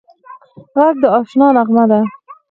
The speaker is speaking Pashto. غږ د اشنا نغمه ده